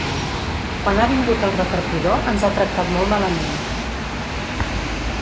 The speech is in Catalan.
Quan ha vingut el repartidor ens ha tractat molt malament.